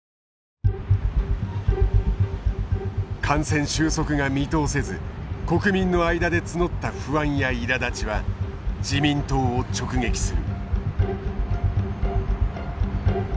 感染収束が見通せず国民の間で募った不安やいらだちは自民党を直撃する。